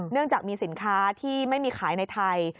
เนื่องจากมีสินค้าที่ไม่มีขายในไทย